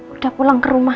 udah pulang ke rumah